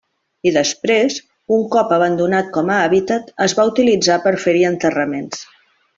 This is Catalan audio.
I després, un cop abandonat com a hàbitat, es va utilitzar per fer-hi enterraments.